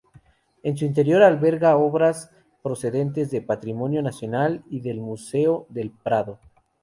En su interior alberga obras procedentes de Patrimonio Nacional y del Museo del Prado.